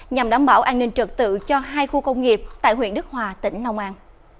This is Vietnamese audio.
nhằm đảm bảo an ninh trực tự cho hai khu công nghiệp tại huyện đức hòa tỉnh long an